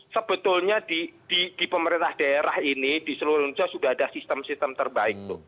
sebetulnya di pemerintah daerah ini di seluruh indonesia sudah ada sistem sistem terbaik tuh